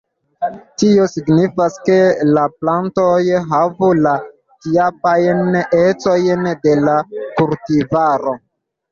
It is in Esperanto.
Tio signifas, ke la plantoj havu la tipajn ecojn de la kultivaro.